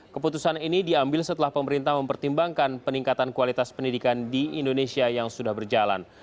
keputusan ini diambil setelah pemerintah mempertimbangkan peningkatan kualitas pendidikan di indonesia yang sudah berjalan